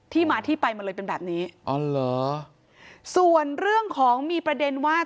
มาที่ไปมันเลยเป็นแบบนี้อ๋อเหรอส่วนเรื่องของมีประเด็นว่า